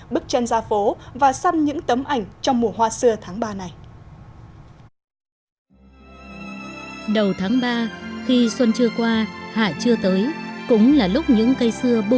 bức tranh ra phố và săn những tấm ảnh trong mùa hoa sưa tháng ba này